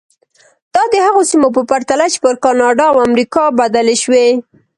دا د هغو سیمو په پرتله چې پر کاناډا او امریکا بدلې شوې.